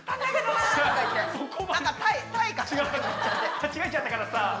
間違えちゃったからさ。